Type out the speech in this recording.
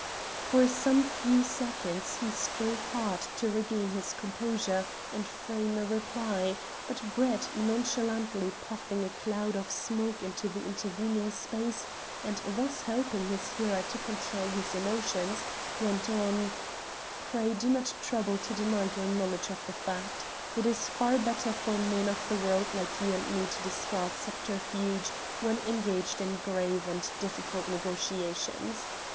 For some few seconds he strove hard to regain his composure and frame a reply, but Brett, nonchalantly puffing a cloud of smoke into the intervening space, and thus helping his hearer to control his emotions, went on "Pray do not trouble to deny your knowledge of the fact. It is far better for men of the world like you and me to discard subterfuge when engaged in grave and difficult negotiations.